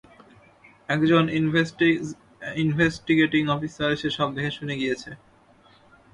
একজন investigating officer এসে সব দেখেশুনে গিয়েছে।